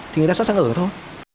thì người ta sẵn sàng ở thôi